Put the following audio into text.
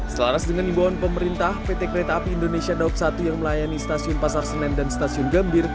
selaras dengan imbauan pemerintah pt kereta api indonesia daup satu yang melayani stasiun pasar senen dan stasiun gambir